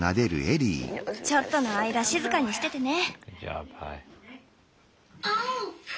ちょっとの間静かにしててね。